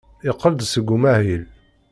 Yeqqel-d seg umahil.